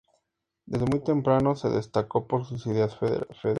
Desde muy temprano se destacó por sus ideas federales.